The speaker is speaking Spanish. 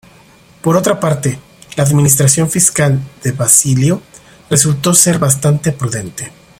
Por otra parte, la administración fiscal de Basilio resultó ser bastante prudente.